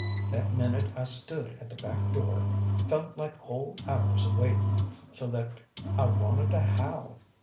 That minute I stood at the back door felt like whole hours of waiting, so that I wanted to howl.